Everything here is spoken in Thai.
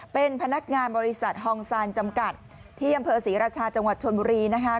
เป็นพนักงานบริษัทฮองซานจำกัดที่อำเภอศรีราชาจังหวัดชนบุรีนะคะ